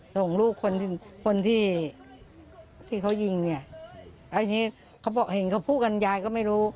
ส่งลูกคนที่คนที่ที่เขายิงเนี่ยแล้วทีนี้เขาบอกเห็นเขาพูดกันยายก็ไม่รู้